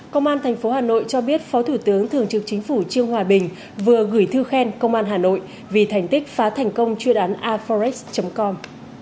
công an tp hà nội cho biết phó thủ tướng thường trực chính phủ trương hòa bình vừa gửi thư khen công an hà nội vì thành tích phá thành công chuyên án aforex com